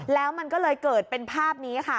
แล้วมันก็เลยเกิดเป็นภาพนี้ค่ะ